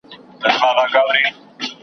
چرګ چي ځوان سي پر بام ورو ورو ځي